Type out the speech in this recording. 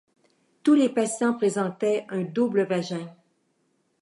Tous les patients présentaient un double vagin.